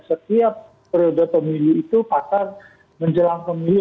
setiap periode pemilu itu pak tan menjelang pemilu